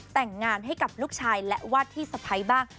แต่งงานให้กับลูกชายและวาดที่สะพ้ายบ้าง